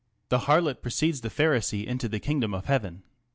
The harlot precedes the Pharisee into the kingdom of heaven.